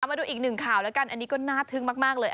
มาดูอีกหนึ่งข่าวแล้วกันอันนี้ก็น่าทึ่งมากเลย